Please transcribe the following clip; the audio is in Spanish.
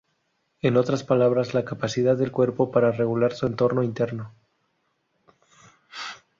En otras palabras, la capacidad del cuerpo para regular su entorno interno.